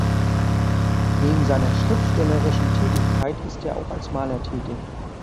Neben seiner schriftstellerischen Tätigkeit ist er auch als Maler tätig.